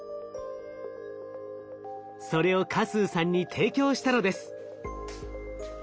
それを嘉数さんに提供したのです。